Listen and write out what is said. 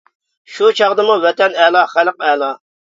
شۇ چاغدىمۇ ۋەتەن ئەلا، خەلق ئەلا.